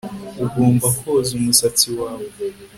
Ugomba koza umusatsi wawe